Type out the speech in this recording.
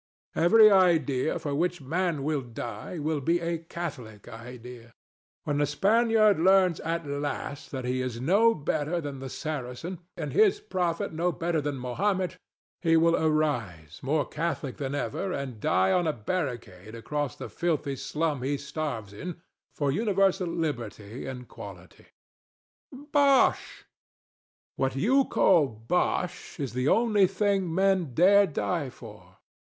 Every idea for which Man will die will be a Catholic idea. When the Spaniard learns at last that he is no better than the Saracen, and his prophet no better than Mahomet, he will arise, more Catholic than ever, and die on a barricade across the filthy slum he starves in, for universal liberty and equality. THE STATUE. Bosh! DON JUAN. What you call bosh is the only thing men dare die for.